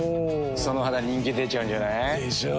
その肌人気出ちゃうんじゃない？でしょう。